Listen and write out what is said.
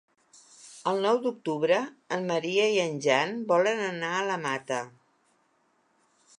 El nou d'octubre en Maria i en Jan volen anar a la Mata.